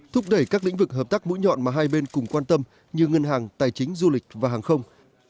thúc đẩy các lĩnh vực hợp tác mũi nhọn mà hai bên cùng quan tâm như ngân hàng tài chính du lịch và hàng không